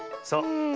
そう。